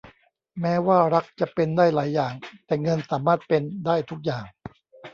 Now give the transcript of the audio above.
แม้ว่ารักจะเป็นได้หลายอย่าง แต่เงินสามารถเป็นได้ทุกอย่าง